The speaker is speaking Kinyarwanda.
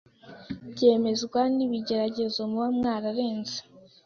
byemezwa n’ibigeragezo muba mwararenze,